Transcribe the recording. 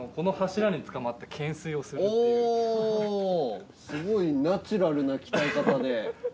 このおぉすごいナチュラルな鍛え方で。